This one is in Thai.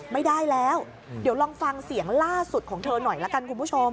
ไม่ได้แล้วเดี๋ยวลองฟังเสียงล่าสุดของเธอหน่อยละกันคุณผู้ชม